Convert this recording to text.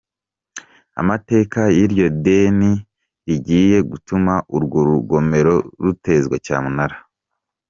Amateka y’iryo deni rigiye gutuma urwo rugomero rutezwa cyamunara.